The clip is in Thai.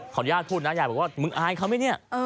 อนุญาตพูดนะยายบอกว่ามึงอายเขาไหมเนี่ย